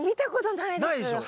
ないでしょ。